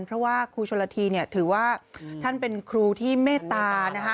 เพราะว่าครูชนฤษฎีถือว่าท่านเป็นครูที่เมตตา